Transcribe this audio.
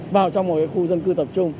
vào trong một cái khu dân cư tập trung